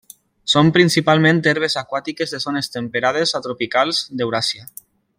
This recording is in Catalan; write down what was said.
Són principalment herbes aquàtiques de zones temperades a tropicals d'Euràsia.